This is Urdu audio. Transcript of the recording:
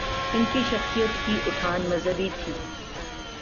ان کی شخصیت کی اٹھان مذہبی تھی۔